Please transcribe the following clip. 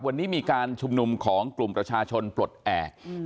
วันนี้มีการชุมนุมของกลุ่มประชาชนปลดแอบ